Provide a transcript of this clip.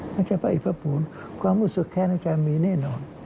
มันจะประอิกษฐ์ภูมิความอุตสุขแค่นั้นจะมีแน่นอน